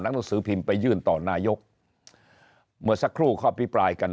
หนังสือพิมพ์ไปยื่นต่อนายกเมื่อสักครู่ข้อพิปรายกัน